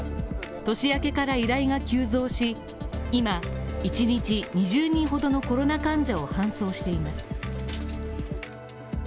年明けから依頼が急増し、今、１日２０人ほどのコロナ患者を搬送しています